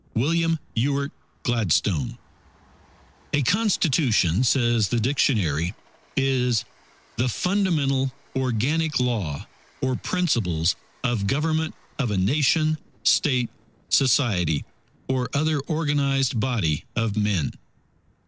_ WILLIAM EWART GLADSTONE "A Constitution," says the dictionary, is "the fundamental organic law or principles of Government of a Nation, State, Society, or other organized body of men.